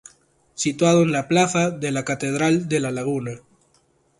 Situado en la Plaza de La Catedral de La Laguna.